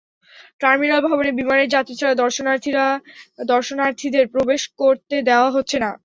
Terminal ভবনে বিমানের যাত্রী ছাড়া দর্শনার্থীদের প্রবেশ করতে দেওয়া হচ্ছে না।